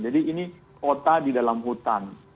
jadi ini kota di dalam hutan